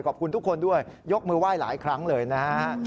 ขอบคุณทุกคนด้วยยกมือไหว้หลายครั้งเลยนะฮะ